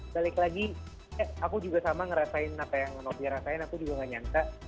balik lagi eh aku juga sama ngerasain apa yang novia rasain aku juga gak nyangka